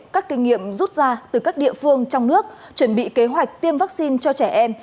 các kinh nghiệm rút ra từ các địa phương trong nước chuẩn bị kế hoạch tiêm vaccine cho trẻ em